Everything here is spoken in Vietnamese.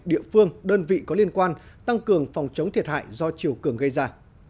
địa phương đơn vị có liên quan tăng cường phòng chống thiệt hại do chiều cường gây ra